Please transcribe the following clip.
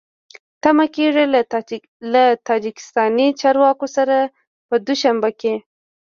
تمه کېږي له تاجکستاني چارواکو سره په دوشنبه کې